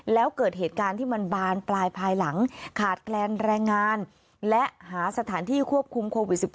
แล้วเกิดเหตุการณ์ที่มันบานปลายภายหลังขาดแคลนแรงงานและหาสถานที่ควบคุมโควิด๑๙